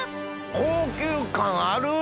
高級感ある！